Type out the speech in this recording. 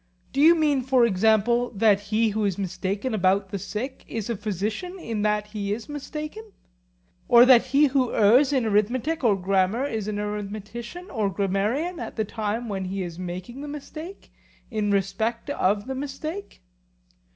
Do you mean, for example, that he who is mistaken about the sick is a physician in that he is mistaken? or that he who errs in arithmetic or grammar is an arithmetician or grammarian at the time when he is making the mistake, in respect of the mistake?